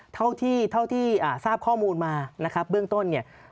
เท่าที่ทราบข้อมูลมานะครับเบื้องต้นเนี่ย